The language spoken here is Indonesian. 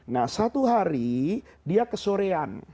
nah satu hari dia kesorean